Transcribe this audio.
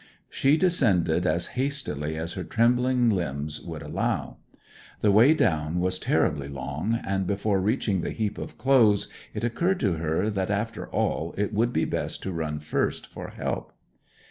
She descended as hastily as her trembling limbs would allow. The way down was terribly long, and before reaching the heap of clothes it occurred to her that, after all, it would be best to run first for help.